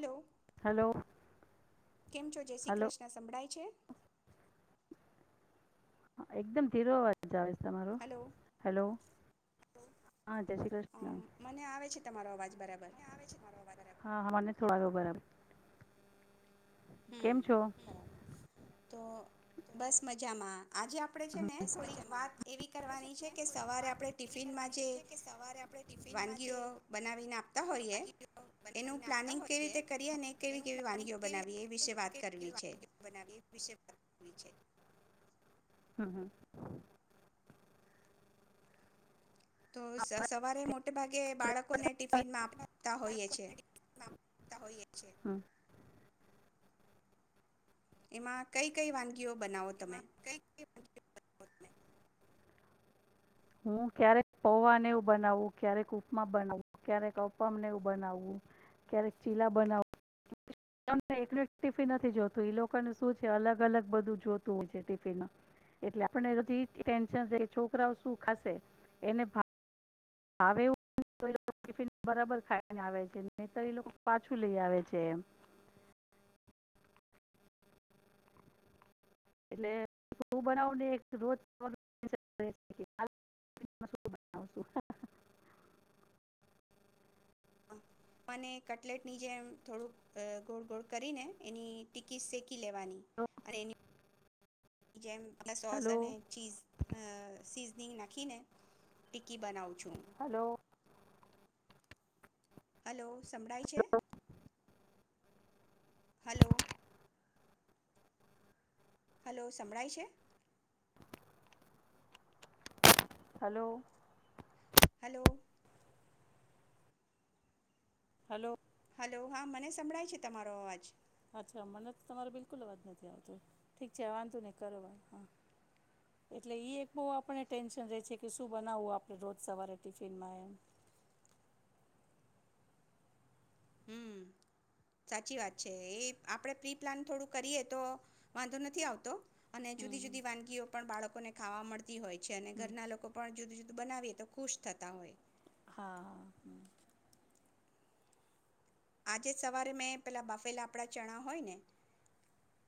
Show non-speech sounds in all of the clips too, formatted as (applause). Hello hello કેમ છો જય શ્રી હલો કૃષ્ણ સંભળાય છે. એકદમ ધીરો અવાર આવે છે. તમારો હલો હેલો. હા જય શ્રી કૃષ્ણ. મને આવે છે તમારો અવાજ. બરાબર. (unintelligible) હમ કેમ છો બરાબર, તો બસ મજામાં. આજે આપણે છે હમ, ને થોડીક વાત એવી કરવાની છે કે સવારે આપણે ટિફિનમાં જે, વાનગીઓ બનાવીને આપતા હોઈએ, એનું પ્લાનિંગ કેવી રીતે કરીએ અને કેવી કેવી વાનગીઓ બનાવી વિસે વાત કરવી છે. હમ હમ. તો સવારે મોટે ભાગે બરાબર. બાળકોને ટિફિનમાં આપતા હોઈએ છે. હમ. એમાં કઈ કઈ વાનગી કયો બનાવો તમે? હું ક્યારેક પૌહને એવું બનાવું ક્યારેક ઉપમા બનાવું ક્યારેક અમનેવું બનાવવું, ક્યારેક ચીલા બનાવું. તમને એકલું ટીફિન નથી જોતું લોકોને શું છે અલગ અલગ બધું જોતું હોય છે ટીફિનમાં, એટલે આપી ટેન્શન છોકરાઓ શું ખાશે, એને હ એવું ટફિન બરાબર ખાઈને આવે છે, નહી તો એ લોકો પાછું લઈ આવે છે એમ. એટલે શું બનાવુંને રોજ કટલેટ ની જેમ થોડુંક ગોળ ગોળ કરીને એની ટીકી શેકી લેવાની, અને એની જેમ સોસ હલો અને ચીઝ અ નાખીને ટીકી બનાવું છું. હલો. હલો. સંભળાય છે. હલો. હલો સંભળાય છે. હલો. હલો. હલો. હલો હા મને સંભળાય છે તમારો અવાજ. અચ્છા મને તો તમારો બિલકુલ અવાજ નથી આવતો ઠીક છે વાંધો નહી કરો હા, એટલે એ એક બહુ આપણને ટેન્શન રહે છે કે શું બનાવવું આપણે રોજ સવારે ટિફિનમાં એમ. હમ સાચી વાત છે એ આપડે પ્રી પ્લાન થોડું કરીએ તો વાંધો નથી આવતો. અને હમ હમ જુદી-જુદી વાનગીઓ પણ બાળ લોકો ને ખાવા મળ હોય છે અને હમ ઘરના લોકો પણ જુદી-જુદી. બનાવીએ તો ખુશ થતા હોય. હા. આજે સવારે મેં પેલા બાફેલા આપણા ચણા હોય ને,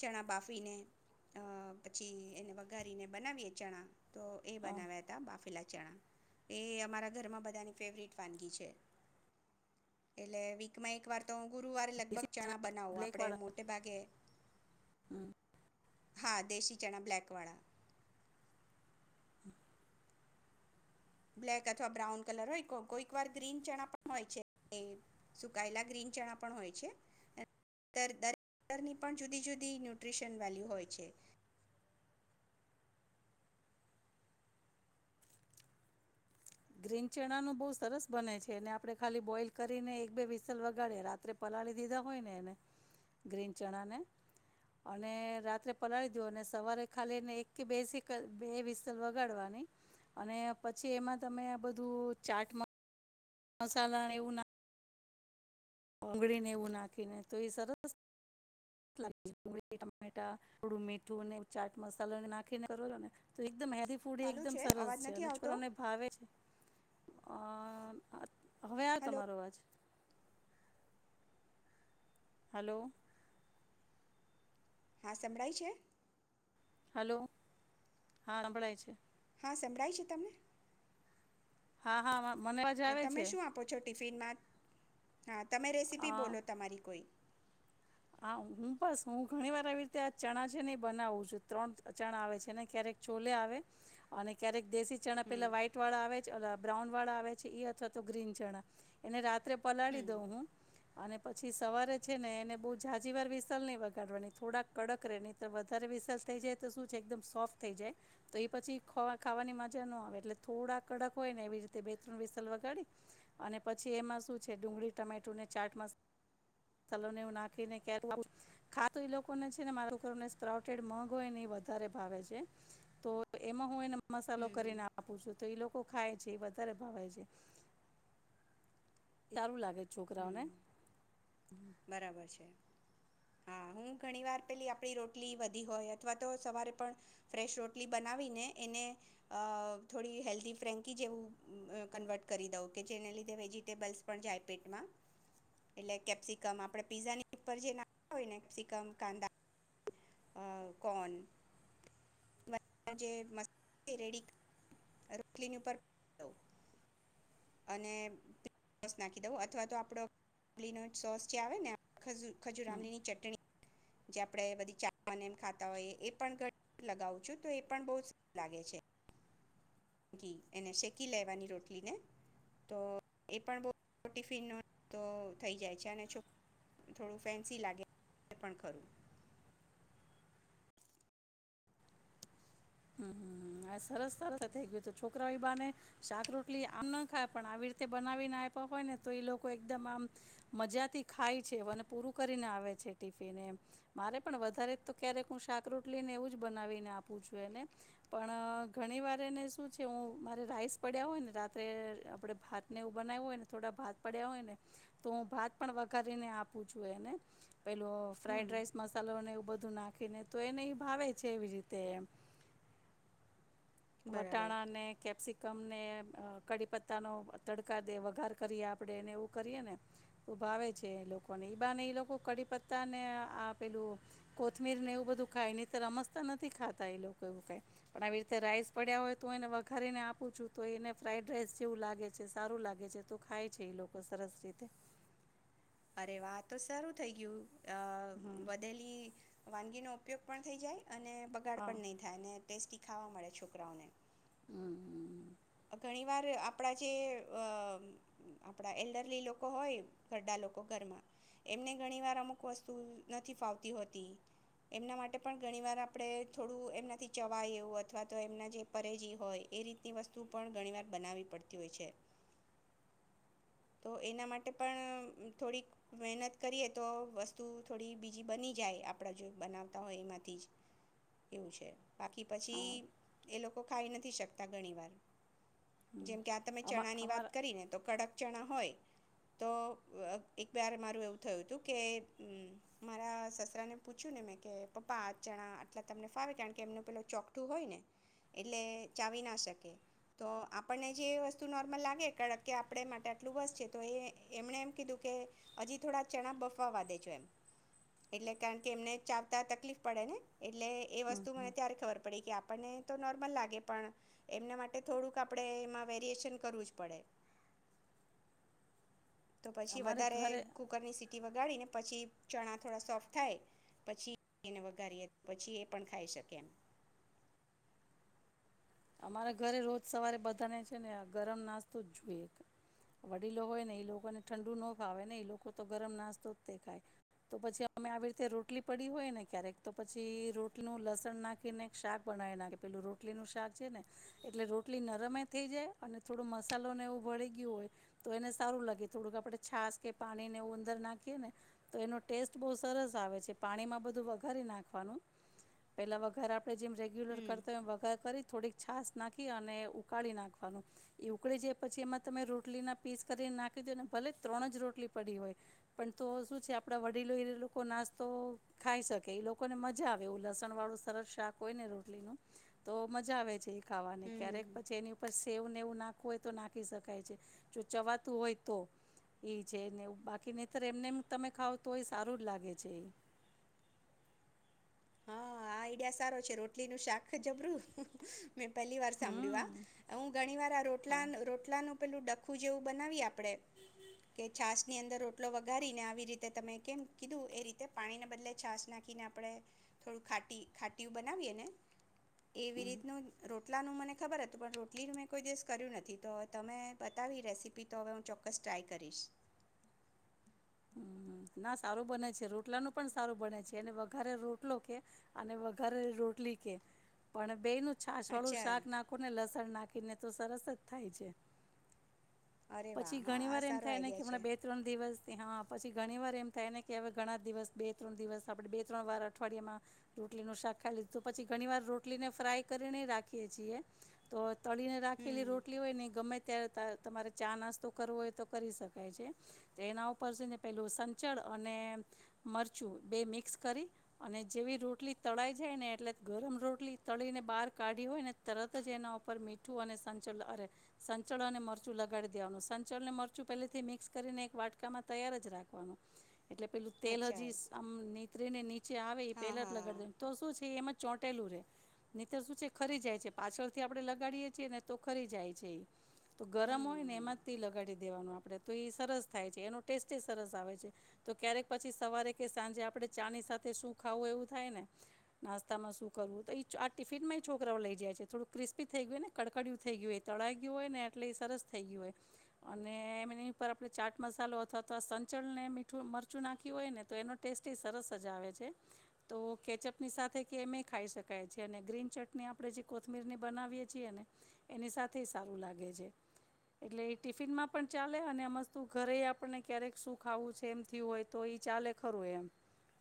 ચણા બાફીને અ પછી એને વઘારીને બનાવીએ ચણા. તો એ હા બનાવ્યા હતા બાફેલા ચાના, એ અમારા ઘરમાં બધાના ફેવરિટ વાનગી છે, એટલે વિક મા એક વાર તો હ ગુરુવારે લગભગ દેશી ચણા બનાવું આપડે બ્લેકવાળા મોટે ભાગે. હમ હા દેશી ચણા બ્લલેક વાળા. બ્લેક અથવા બ્રાઉન કલર હોય કોઈક વાર ગ્રીન ચણા પણ હોય છે, સુકાયેલા ગ્રીન ચણા પણ હોય છે, દરેક કલરની પણ જુદી જુદી ન્યુટ્રીશન વેલ્યુ હોય છે. ગ્રીન ચણાનું બહુ સરસ બને છે એને આપણે ખાલી બોઇલ કરીને એક બે વિસલ વગાડે રાત્રે પલાળી દીધા હોય ને એને, ગ્રીન ચણાને, અને રાત્રે પલાળી દો અને સવારે ખાલી એને એક કે બેસી બે વિસલ વગાડવાની, અને પછી એમાં તમે આ બધું ચા્ટમાં મસાલાને એવું ના કોંગળી ને એવું નાખીને તો એ સરસેળી ટમેટા (unintelligible) થોડું મીઠું ને ચાટ મસાલોને નાખીને કરો છો ને તો મ હેલ્ ફૂડ ચાલુ એકદમ સરસ અવાજ છે નથી અને આવતો છોકરાઓને ભાવે છે. અ હવે આાર હલો તમારો અવાજ. હલો. હા સંભળાય છે? હલો, હા સંભળાય છેે. હા સંભળાય છે તમને? હા હા. મને અવાજ તો આવે તમે છે. શું આપો છો ટિફિનમાં? હા તમે અ રેસીપી બોલો તમારી કોઈ. હા હ બસ હું ઘણી વાર આવી રીતે આ ચણા છે ને એ બનાવું છું ત્રણ ચણા આવે છે ને ક્યારેક ચોલે આવે, અને ક્યારેક દેશી ચણા હમ પેલા વ્હાઈટ વાળા આવે બ્રાઉન વાળા આવે છે એ અથવા તો ગ્રીન ચણા, એ રા ત્રે પલાળી હમ દઉં હું. અને પછી સવારે છે ને એને બહુ જ ઝજી વાર વિસલ નહીં વગાડવાની થોડાક કડક રહે નહીં તો વધારે વિસલ થઈ જાય તો શું છે એકદમ સોફ્ટ થઈ જાય, તો એ પછી ખાવાની મજા ન આવે એટલે થોડાક કડક હોય ને એવી રીતે બે ત્રણ વિસલ વગાડી, અને પછી એમાં શું છે ડુંગળી ટમેટુંને ચાટ મસા મસાલોને એ નાખ તો એ લોકોને છેને મારા મગ હોય ને એ વધારે ભાવે છે, તો એમાં હોય ને હમ મસાલો હમ કરીને આપું છું તો એ લોકો ખાય છે વધારે ભાવ છે, સારું લાગે છોકરાઓને. હમ બરાબર છે હા હું ઘણી વાર પેલી આપડી રોટલી વધી હોય અથવા તો સવારે પણ, ફ્રેશ રોટલી બનાવી ને એને, અ થોડી હેલ્ધી ફ્રેન્કી જેવું કન્વર્ટ કરી દઉં કે જેને લીધે વેજીિટેબલ્સ પણ જાય પેટ માં એટલે કેપ્સિકમ આપડે પીઝાની ઉપર જે નાખતા હોયને, કેપ્સિકમ કાંદા અ કોન મસાલો જે રેડી રોટલીની ઉપર દઉં. (unintelligible) અને પ સોસ નાખી દવ અથવા તો આપડો લીનટ સોસ જે આવે ને આ ખજુ. ખજુર હમ આમલીની ચટણી જે આપડે બધી ચાને એમ ખાતા હોય એ પણ ઘ લગાવું છું તો એ પણ બહું લાગે છે. ઘી એને શેકી લેવાની રોટલીને, તો એ પણ બો ટિફિન હોય તો થઈ જાય છે અને છોક ને થોડું ફેન્સી લાગે પણ ખરું. હમ સરસ સરસ થઈ ગયું છોકરા એ બાને, શાક રોટલી આમ ના ખાય પણ આવી રીતે બનાવીને આપ્યા હોય ને તો એ લોકો એકદમ આમ, મજાથી ખાય છે અને પૂરું કરીને આવે છે ટિફિન એમ, મારે પણ વધારે તો ક્યારેક હું શાક રોટલી ને એવું જ બનાવીને આપું છું. પણ ઘણી વાર એને શું છે હું મારે રાઈસ પડ્યા હોયને રાત્રે આપણે ભાત ને એવું બનાવું હોયને થોડા ભાત પડ્યા હોયને, તો હું ભાત પણ વઘારીને આપું છું એને. પેલું હમ ફ્રાઇડ રાઈસ મસાલોને એ બધું નાખીને તો એને એ ભાવે છે એવી જ રીતે એમ. બરાબર વટાણા અને કેપ્સિક તમને કડીપત્તા નો તડકા દે વઘાર કરીએ આપડે ને એવું કરીએ ને, તો ભાવે છે એ લોકોને ઈ બા ને એ લોકો કડીપત્તા ને આ પેલું, કોથમીર ને એવું બધું ખાય ની તો અમસ્તા નથી ખાતા એ લોકો એવું કઈ, પણ આવી રીતે રાઈસ પડ્યા હોય તો એને વઘારીને આપું છું તો એને ફ્રાઈડ રાઈસ જેવું લાગે છે સારું લાગે છે તો ખાય છે એ લોકો સરસ રીતે. અરે વાહ આ તો શારું થઈ ગયું. અ હમ વધેલી. વાનગીનો ઉપયોગ પણ થઈ જાય. અને બગાડ હા પણ નહીં થાય ને. ટેસ્ટી ખાવા મળે છોકરાઓને. હમ્મ. ઘણી વાર આપણા જે અ આપણા એલ્ડરલી લોકો હોય ઘરડા લોકો ઘરમાં એમને ઘણી વાર અમુક વસ્તુ નથી ફાવતી હોતી, એમના માટે પણ ઘણી વાર આપણે થોડું એમનાથી ચવાય એવું અથવા તો એમના જે પરેજી હોય એ રીતની વસ્તુ વસ્તુ પણ ઘણી વાર બનાવી પડતી હોય છે, તો એના માટે પણ થોડીક મહેનત કરીએ તો વસ્તુ થોડી બીજી બની જાય આપણા જો બનાવતા હોય એમાંથી જ એવું છે. બાકી હા પછી એ લો ખાઈ નથી શકતા ઘણી વાર. હમ જેમ કે આ તમે અમા ચણા ની વાત અમારા કરી ને તો કડક ચણા હોય. તો એક વાર મારું એવું થયુ તું કે મારા સસરા ને પૂછ્યું, ને મે કે પપ્પા આ ચણા આટલા તમને ફાવે કારણ કે એમનું પેલું ચોકઠું હોય ને એટલે ચાવી ના શકે. તો આપણને જે વસ્તુ નોર્મલ લાગે કરણકે આપણે માટે આટલું બસ છે, તો એ એમણે એમ કીધું કે હજી થોડા ચણા બફાવા વા દેજો એમ એટલે કારણ કે એમને ચાવતા તકલીફ પડે ને. એટલે એ હમ વસ્તુ હમ મને ત્યારે ખબર પડી કે આપ આપણને તો નોર્મલ લાગે પણ એમના મા થોડુંક આપડે એમા વેરીએશન કરવું જ પડે. તો પછી અમારે વધારે ઘરે કુકરની સીટી વગાડીને. પછી ચણા થોડા સોફ્ટ થાય પછી એને વઘારીએ પછી એ પણ ખાઈ શકે. અમારા ઘરે રોજ સવારે બધાને છે ને આ ગરમ નાસ્તો જ જોઈએ, વડીલો હોય ને એ લોકોને ઠંડુ ન ફાવે ને એ લોકો તો ગરમ નાસ્તો જ દેખાય, તો પછી અમે આવી રીતે રોટલી પડી હોય ને ક્યારેક તો પછી રોટલીનું લસણ નાખીને શાક બનાવી નાખે પેલું રોટલીનું શાક. ને એટલે રોટલી નરમે થઈ જાય અને થોડો મસાલો ને એવું ભળી ગયું હોય, તો એને સારું લાગે, થોડુંક આપડે છાસ કે પાણી ને એવું અંદર નાખીએ, ને તો એનો ટેસ્ટ બહુ સરસ આવે છે પાણીમાં બધું વઘારી નાખવાનું, પેલા વઘાર આપણે જેમ રેગ્યુલર હમ કરતા હો એમ વઘાર કરી થોડીક છાસ નાખી અને ઉકાળી નાખવાનું, એ ઉકળી જાય પછી એમાં તમે રોટલીના પીસ કરીને નાખી દો અને ભલે ત્રણ જ રોટલી પડી હોય, પણ તો શું છે આપણા વડીલો એ લોકો નાસ્તો ખાઈ શકે એ લોકોને મજા આવે એવું લસણવાળું સરસ શાક હોય ને રોટલીનું, તો મજા આવે છે એક ખાવાની હમ હમ ક્યારેક હમ પછી એની ઉપર એવું ને એવું નાખવું હોય તો નાખી શકાય છે, જો ચવાતું હોય, તો એ છે ને બાકી નેતર એમને તમે ખાવ તો એ સારું જ લાગે છે એ. હા આ આઈડિયા સારો છે રોટલીનું શાક જબરું. મે પહેલી વાર સાંભળ્યું હમ આ, અ ઘણી વાર આ રોટલા હા રોટલાનું પેલું ડખું જેવું બનાવી આપે આપણે, કે છાસ ની અંદર રોટલો વગારીને આવી રીતે તમે કેમ કીધું એ રીતે પાણીને બદલે છાસ નાખીને આપણે થોડું ખાટ ખાટીયું બનાવીએે ને એવી રીતનું રો રોટલાનું મને ખબર હતું પણ રોટલીનું મેં કોઈ દિવસ કર્યું નથી તો તમે બતાવી રેસીપી તો હવે હું ચોક્કસ ટ્રાય કરીશ. હમ ના સારું બને છે રોટલા ન પણ સારું બને છે અને વઘારે રોટલો કે, અને વઘારે રોટલી કે, પણ બે ન છાસવાળું અચ્છા શાક નાખો ને લસણ નાખે ને તો સરસ જ થાય છે. અરે વાહ પછી હા ઘણી આ વાર એમ સારો થાય ને કે આઈડિયા છે હમણાં બે ત્રણ દિવસ હા પછી ઘણી વાર એમ થાય ને કે, હવે ઘણા દિવસ બે ત્રણ દિવસ આપણે બે ત્રણ વાર અઠવાડિયામાં રોટલીનું શાક ખાઈ લીધું તો પછી ઘણી વાર રોટલીને ફ્રાય કરીને રાખીએ છીએ તો તળી ને રાખેલી હમ રોટલી હોય ને ગમે અ્યારે તમારે ચા નાસ્તો કરવો હોય તો કરી શકાય છે, એના ઉપર ઉપર જને પેલું સંચળ અને મરચું બે મિક્સ કરી અને જેવી રોટલી તળાઈ જાય ને એટલે, ગરમ રોટલી તળીને બહાર કાઢી હોય ને તરત જ એના ઉપર મીઠું અને સંચડ અરે સંચળ અને મરચું લગાડી દેવાનું સંચળ અને મરચું પહેલેથી મિક્સ કરીને એક વાટ માં તૈયાર જ રાખવાનું. એટલે પેલું તેલ અચ્છા હજી આમ તે ને. જે આવે એ હા પેલા જ હા લગાડી દે તો શું છે એમાં ચોંટેલું રે નીંતર શું છે ખરી જાય છે, પાછળથી આપડે લગાડીયે છીએ ને તો ખરી જાય છે એ. તો ગરમ હમ હોય ને એમાં જ લગાડી દેવાનું આપ આપણે તો સરસ. થાય છે એનો ટેસ્ટ સરસ આવે છે તો ક્યારેક પછી સવારે કે સાંજે આપણે ચાની સાથે શું ખાવું એવું થાય ને નાસ્તામાં શું કરવું તો, એ આ ટિફિનમાં છોકરાઓ લઈ જાય છે થોડું ક્રિસ્પી થઈ ગય હોય ને કડકડીયુ થઈ ગયું હો એ તળાઈ ગયું હોય ને એટલે એ સરસ થઈ ગયું હોય, અને એમની ઉપ આપણે ચાટ મસાલો અથવા તો સંચલને મીઠું મરચું નાખ્યું હોય ને તો એનો ટેસ્ટ સરસ જ આવે છે, તો કેચઅપની સાથે કે એમ ખાઈ શકાય છે, અને ગ્રીન ચટણી આપણે જે કોથમીરની બનાવીએ છીએ ને એની સાથે સારું લાગે છે એટલે એ ટિફિનમાં પણ ચાલે અને આ વસ્તુ ઘરે આપણને ક્યારેક શું ખાવું છે એમ થી હોય તો એ ચાલે ખરું એમ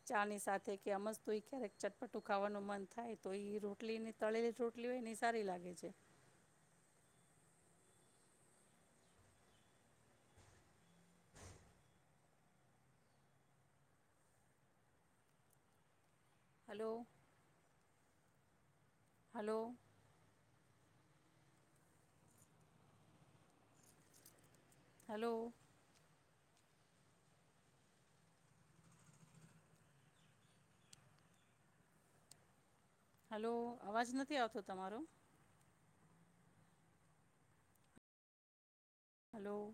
ચા ની સાથે કે આમજ તો ક્યારેક ચટપટું ખાવાનું મન થાય તો એ રોટલી ની તળેલી રોટલી હોય સારી લાગે છે. હલો. હલો. હલો. હલો અવાજ નથી આવતો તમારો. હલો.